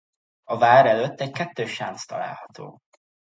A vár előtt egy kettős sánc található.